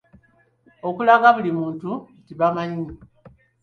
Okulaga buli muntu nti bamaanyi.